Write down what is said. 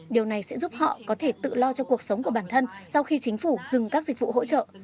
điều này sẽ giúp họ có thể tự lo cho cuộc sống của bản thân sau khi chính phủ dừng các dịch vụ hỗ trợ